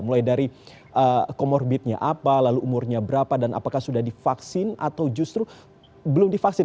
mulai dari komorbidnya apa lalu umurnya berapa dan apakah sudah divaksin atau justru belum divaksin